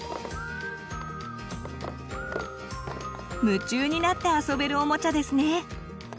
夢中になって遊べるおもちゃですね。